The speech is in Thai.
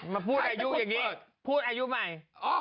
มาพูดอายุอย่างนี้พูดอายุใหม่